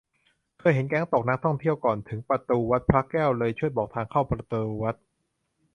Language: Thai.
เคยเห็นแก๊งตกนักท่องเที่ยวก่อนถึงประตูวัดพระแก้ว เลยช่วยบอกทางเข้าประตูวัด